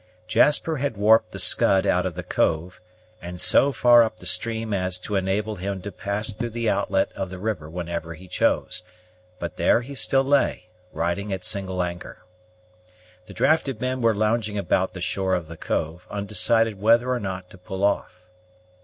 Jasper had warped the Scud out of the cove, and so far up the stream as to enable him to pass through the outlet of the river whenever he chose; but there he still lay, riding at single anchor. The drafted men were lounging about the shore of the cove, undecided whether or not to pull off.